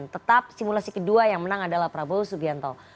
tetap simulasi kedua yang menang adalah prabowo subianto